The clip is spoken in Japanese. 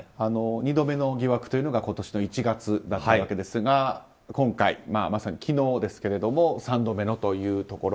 ２度目の疑惑というのが今年の１月だったわけですが今回、まさに昨日ですけれども３度目のというところ。